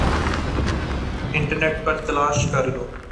internet پر تلاش کر لو